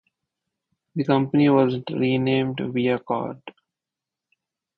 The company was renamed ViaCord.